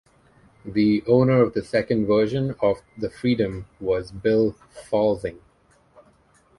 The owner of the second version of the Freedom was Bill Fahlsing.